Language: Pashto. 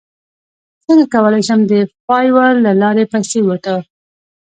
څنګه کولی شم د فایور له لارې پیسې وګټم